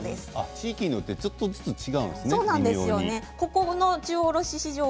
地域によってちょっとずつ違うんですね。